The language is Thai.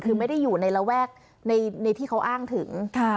คือไม่ได้อยู่ในระแวกในที่เขาอ้างถึง